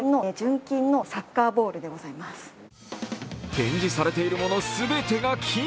展示されているもの全てが金！